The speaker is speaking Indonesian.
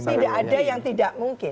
tidak ada yang tidak mungkin